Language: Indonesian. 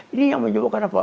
ini yang menyebabkan apa